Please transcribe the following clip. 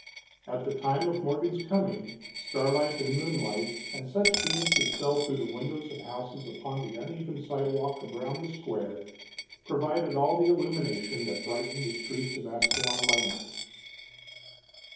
At the time of Morgan's coming, starlight and moonlight, and such beams as fell through the windows of houses upon the uneven sidewalk around the square, provided all the illumination that brightened the streets of Ascalon by night.